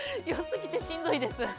よすぎてしんどいです。